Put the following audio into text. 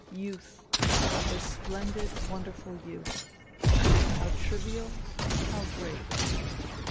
... Youth ! Her splendid, wonderful youth. How trivial, how great.